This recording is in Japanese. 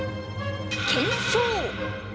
検証！